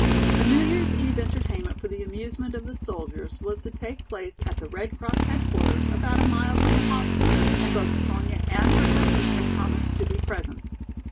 A New Year's eve entertainment for the amusement of the soldiers was to take place at the Red Cross headquarters about a mile from the hospital and both Sonya and her husband had promised to be present.